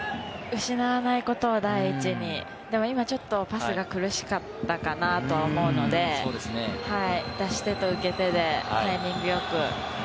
失わないことを第一に、今ちょっとパスが苦しかったかなとは思うので、出し手と受け手でタイミングよく。